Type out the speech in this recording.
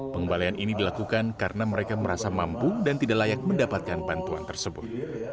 pengembalian ini dilakukan karena mereka merasa mampu dan tidak layak mendapatkan bantuan tersebut